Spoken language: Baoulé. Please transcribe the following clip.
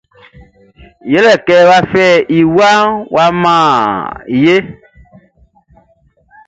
Ye le kɛ wa fa iwa wa man yé.